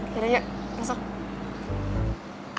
yaudah yuk masuk